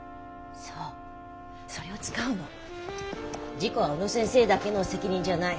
事故は宇野先生だけの責任じゃない。